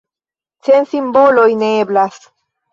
Sen simboloj ne eblas.